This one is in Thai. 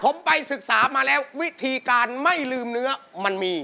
ผมไปศึกษามาแล้ววิธีการไม่ลืมเนื้อมันมี